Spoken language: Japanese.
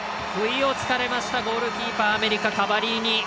不意を突かれましたゴールキーパーアメリカ、カバリーニ。